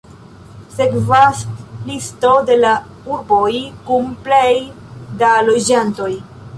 Sekvas listo de la urboj kun plej da loĝantoj.